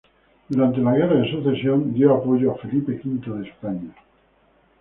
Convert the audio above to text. Durante la Guerra de Sucesión dio apoyo a Felipe V de España.